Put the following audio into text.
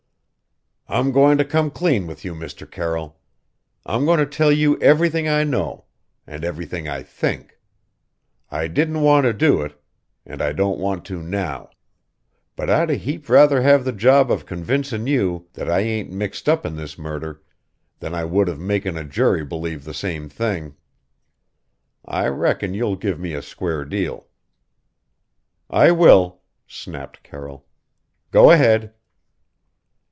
"I'm going to come clean with you, Mr. Carroll. I'm going to tell you everythin' I know and everythin' I think. I didn't want to do it and I don't want to now. But I'd a heap rather have the job of convincin' you that I ain't mixed up in this murder than I would of makin' a jury believe the same thing. I reckon you'll give me a square deal." "I will," snapped Carroll. "Go ahead."